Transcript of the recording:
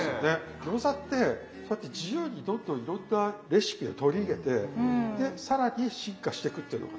餃子ってそうやって自由にどんどんいろんなレシピを取り入れてで更に進化してくっていうのが。